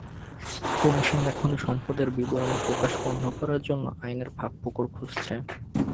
Commission এখন সম্পদের বিবরণী প্রকাশ বন্ধ করার জন্য আইনের ফাঁকফোকর খুঁজছে।